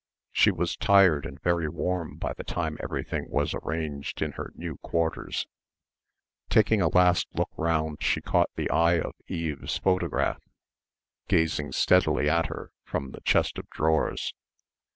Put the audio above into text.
She was tired and very warm by the time everything was arranged in her new quarters. Taking a last look round she caught the eye of Eve's photograph gazing steadily at her from the chest of drawers....